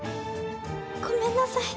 ごめんなさい。